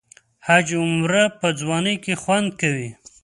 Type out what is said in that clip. حج او عمره په ځوانۍ کې خوند کوي.